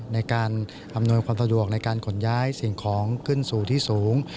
ในการอำนวยความสะดวกในการขนย้ายสิ่งของขึ้นสู่ที่สูง